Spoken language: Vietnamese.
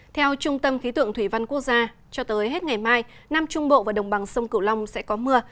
theo trung tâm khí tượng thủy văn quốc gia cho tới hết ngày mai nam trung bộ và đồng bằng sông cửu long sẽ có mưa